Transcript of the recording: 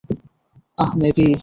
আহ, মেভি?